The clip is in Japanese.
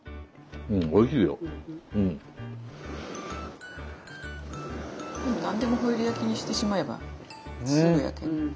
何でもホイル焼きにしてしまえばすぐ焼ける。